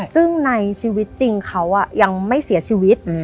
ซึ่งในชีวิตจริงเขายังไม่เสียชีวิต